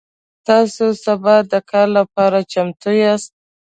تاسو سبا د کار لپاره چمتو یاست؟